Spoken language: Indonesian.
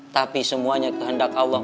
tapi semuanya kehendak allah